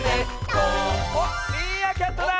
おっミーアキャットだ！